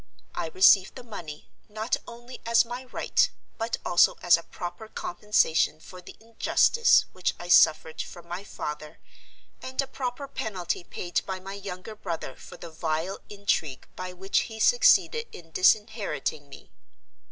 I receive the money, not only as my right, but also as a proper compensation for the injustice which I suffered from my father, and a proper penalty paid by my younger brother for the vile intrigue by which he succeeded in disinheriting me.